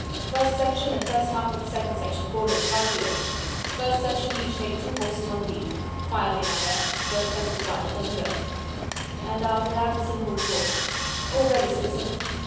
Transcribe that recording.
"First section and first half of second section fall in, right wheel. First section each take two horses on the lead. Quietly now there; don't tug at his bridle let him go." And after that a simple report: "All ready, citizen!"